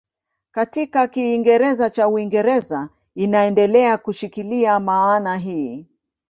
Katika Kiingereza cha Uingereza inaendelea kushikilia maana hii.